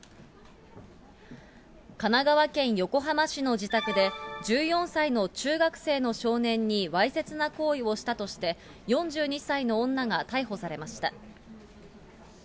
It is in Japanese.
神奈川県横浜市の自宅で、１４歳の中学生の少年にわいせつな行為をしたとして、４２歳の女が逮捕されました。